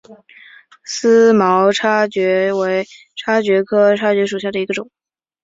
思茅叉蕨为叉蕨科叉蕨属下的一个种。